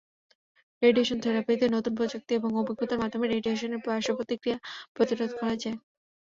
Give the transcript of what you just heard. Radiation থেরাপিতে নতুন প্রযুক্তি এবং অভিজ্ঞতার মাধ্যমে রেডিয়েশনের পার্শ্বপ্রতিক্রিয়া প্রতিরোধ করা যায়।